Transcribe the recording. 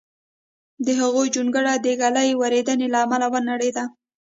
د هغوی جونګړه د ږلۍ وریدېنې له امله ونړېده